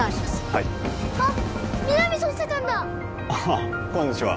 はいあっ皆実捜査官だああこんにちは